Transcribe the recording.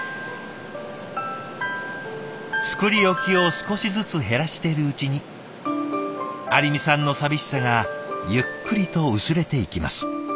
作り置きを少しずつ減らしてるうちに有美さんの寂しさがゆっくりと薄れていきます。